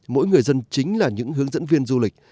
mỗi người dân chính là những hướng dẫn viên du lịch